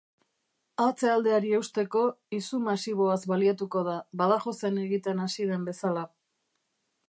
Atzealdeari eusteko, izu masiboaz baliatuko da, Badajozen egiten hasi den bezala.